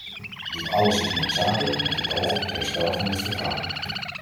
Dit alles is noodzakelijk met het oog op het herstel van het vertrouwen.